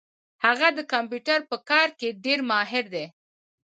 هغه د کمپیوټر په کار کي ډېر ماهر ده